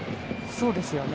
そうですよね。